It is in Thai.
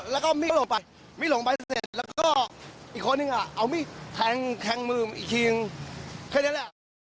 แล้วก็มิลงไปเสร็จแล้วก็อีกคนนึงเอามีดแทงมืออีกครึ่ง